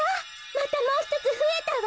またもうひとつふえたわ。